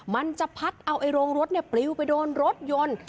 มันจะพัดเอาไอ้โรงรถปลิวไปโดนรถยนต์